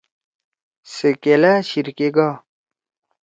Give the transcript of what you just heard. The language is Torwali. سے کِلأ شیِر کے گا۔